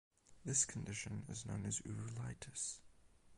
This condition is known as uvulitis.